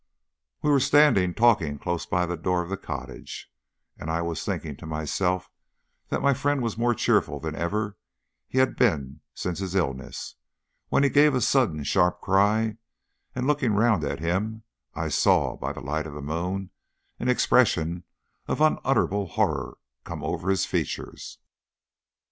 We were standing talking close by the door of the cottage, and I was thinking to myself that my friend was more cheerful than he had been since his illness, when he gave a sudden, sharp cry, and looking round at him I saw, by the light of the moon, an expression of unutterable horror come over his features.